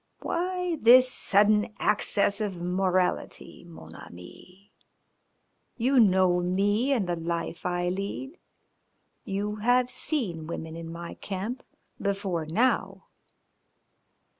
"Why this sudden access of morality, mon ami? You know me and the life I lead. You have seen women in my camp before now."